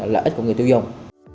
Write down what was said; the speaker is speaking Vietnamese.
lợi ích của người tiêu dùng